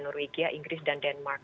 norwegia inggris dan denmark